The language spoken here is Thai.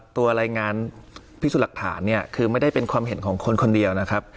ตัวรายงานพิสูจน์หลักฐานเนี่ยคือไม่ได้เป็นความเห็นของคนคนเดียวนะครับ